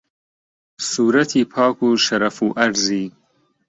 سوورەتی پاک و شەرەف و عەرزی